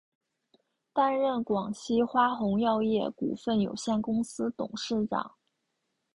担任广西花红药业股份有限公司董事长。